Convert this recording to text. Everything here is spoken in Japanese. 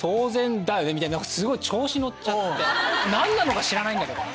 すごい調子乗っちゃって何なのか知らないんだけど。